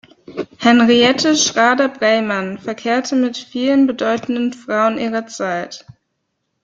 Henriette Schrader-Breymann verkehrte mit vielen bedeutenden Frauen ihrer Zeit.